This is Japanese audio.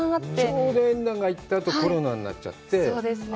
ちょうどエンナが行ったあとコロナになっちゃって、そうですね。